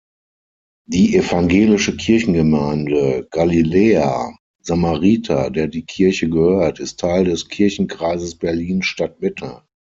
Die Evangelische Kirchengemeinde Galiläa-Samariter, der die Kirche gehört, ist Teil des Kirchenkreises Berlin Stadtmitte.